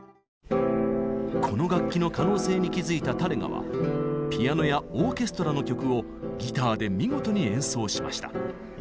この楽器の可能性に気づいたタレガはピアノやオーケストラの曲をギターで見事に演奏しました。